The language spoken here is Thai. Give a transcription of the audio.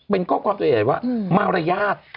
เป็นข้อความตัวใหญ่ว่ามารยาท